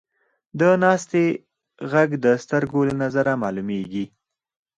د ناستې ږغ د سترګو له نظره معلومېږي.